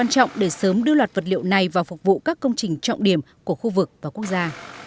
thứ loạt vật liệu này vào phục vụ các công trình trọng điểm của khu vực và quốc gia